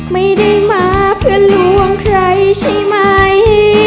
ไม่ได้มาเพื่อลวงใครใช่ไหม